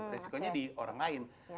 resikonya di orang lain